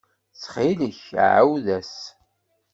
Ttxil-k, ɛawed-as.